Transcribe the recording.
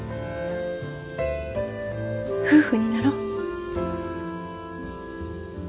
夫婦になろう。